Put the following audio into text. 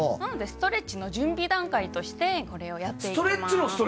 ストレッチの準備段階としてこれをやっていきます。